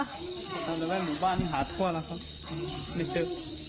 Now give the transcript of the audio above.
ตอนนี้ว่าหมู่บ้านค้นหาทั่วแล้วครับไม่เจอ